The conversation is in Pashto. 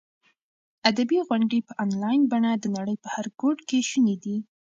ادبي غونډې په انلاین بڼه د نړۍ په هر ګوټ کې شونې دي.